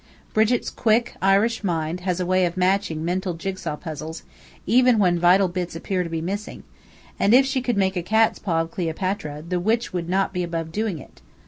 Brigit's quick, Irish mind has a way of matching mental jigsaw puzzles, even when vital bits appear to be missing; and if she could make a cat's paw of Cleopatra, the witch would not be above doing it.